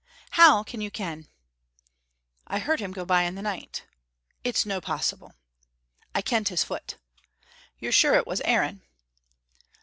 How can you ken?" "I heard him go by in the night." "It's no possible!" "I kent his foot." "You're sure it was Aaron?"